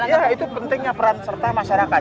ya itu pentingnya peran serta masyarakat